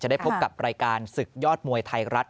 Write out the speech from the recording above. ได้พบกับรายการศึกยอดมวยไทยรัฐ